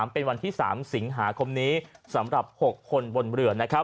เป็นวันที่๓สิงหาคมนี้สำหรับ๖คนบนเรือ